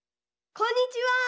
こんにちは！